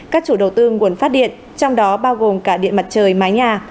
các chủ đầu tư nguồn phát điện trong đó bao gồm cả điện mặt trời mái nhà